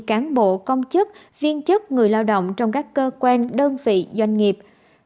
cán bộ công chức viên chức người lao động trong các cơ quan đơn vị doanh nghiệp